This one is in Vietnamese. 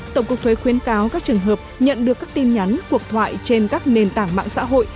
tổng cục thuế khuyến cáo các trường hợp nhận được các tin nhắn cuộc thoại trên các nền tảng mạng xã hội